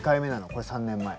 これ３年前。